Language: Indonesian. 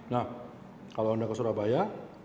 nah kalau anda ke surabaya